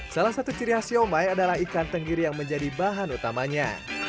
salah satu ciri khas siomay adalah ikan tenggiri yang menjadi bahan utamanya